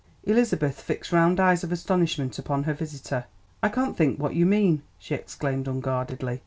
Elizabeth fixed round eyes of astonishment upon her visitor. "I can't think what you mean," she exclaimed unguardedly.